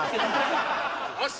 よし！